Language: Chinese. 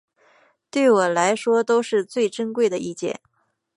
对我来说都是最珍贵的意见